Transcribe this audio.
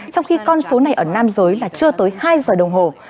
trong khi con số này ở nam giới là chưa tới hai giờ đồng hồ